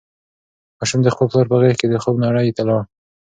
ماشوم د خپل پلار په غېږ کې د خوب نړۍ ته لاړ.